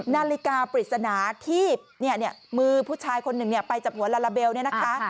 นาฬิกาปริศนาที่มือผู้ชายคนหนึ่งไปจับหัวลาลาเบลเนี่ยนะคะ